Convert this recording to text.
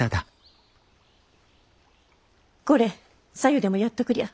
これさ湯でもやっとくりゃ。